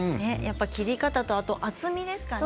切り方と厚みでしょうかね。